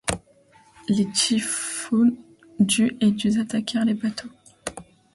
Les Typhoons du et du attaquèrent les bateaux.